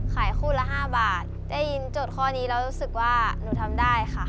ขายคู่ละ๕บาทได้ยินโจทย์ข้อนี้แล้วรู้สึกว่าหนูทำได้ค่ะ